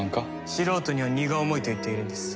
素人には荷が重いと言っているんです。